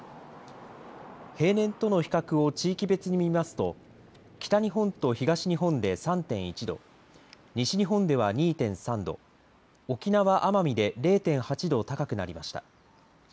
平年との比較を地域別に見ますと北日本と東日本で３．１度西日本では２．３度沖縄・奄美で０．８度、高くなりました。